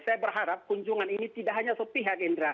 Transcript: saya berharap kunjungan ini tidak hanya sepihak indra